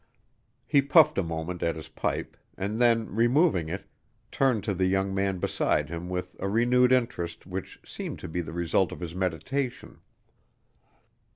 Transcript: He puffed a moment at his pipe, and then, removing it, turned to the young man beside him with a renewed interest which seemed to be the result of his meditation.